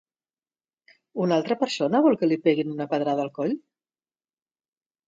Una altra persona vol que li peguin una pedrada al coll?